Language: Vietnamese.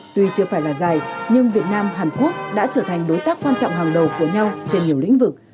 tuy chưa phải là dài nhưng việt nam hàn quốc đã trở thành đối tác quan trọng hàng đầu của nhau trên nhiều lĩnh vực